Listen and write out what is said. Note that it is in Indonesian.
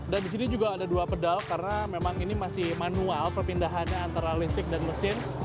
dan di sini juga ada dua pedal karena memang ini masih manual perpindahannya antara listrik dan mesin